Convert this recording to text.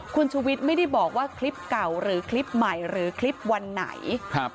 คุณชุวิตไม่ได้บอกว่าคลิปเก่าหรือคลิปใหม่หรือคลิปวันไหน